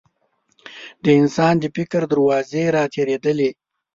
د انسان د فکر دروازې راتېرېدلې.